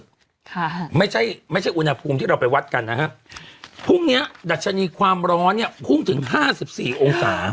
ค่ะไม่ใช่ไม่ใช่อุณหภูมิที่เราไปวัดกันนะฮะพรุ่งเนี้ยดัชนีความร้อนเนี้ยพุ่งถึงห้าสิบสี่องศา